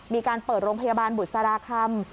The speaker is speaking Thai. มีการเปิดโรงพยาบาลบุษราคำ